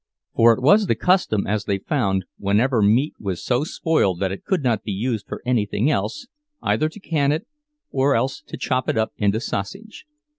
For it was the custom, as they found, whenever meat was so spoiled that it could not be used for anything else, either to can it or else to chop it up into sausage.